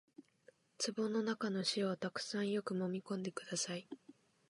壺の中の塩をたくさんよくもみ込んでください